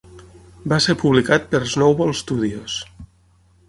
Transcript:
Va ser publicat per Snowball Studios.